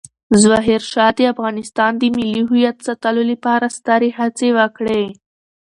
ظاهرشاه د افغانستان د ملي هویت ساتلو لپاره سترې هڅې وکړې.